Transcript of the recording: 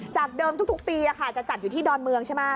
จากเดิมทุกปีจะจัดอยู่ที่ดอนเมืองใช่ไหม